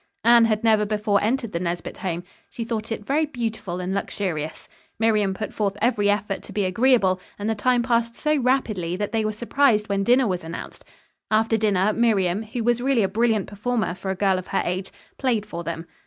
Anne had never before entered the Nesbit home. She thought it very beautiful and luxurious. Miriam put forth every effort to be agreeable, and the time passed so rapidly that they were surprised when dinner was announced. After dinner, Miriam, who was really a brilliant performer for a girl of her age, played for them.